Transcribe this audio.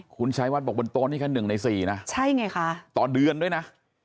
คุณชัยวัดบอกบนโต๊ะนี่แค่๑ใน๔นะใช่ไงคะต่อเดือนด้วยนะ